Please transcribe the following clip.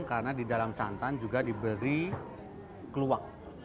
karena di dalam santan juga diberi keluak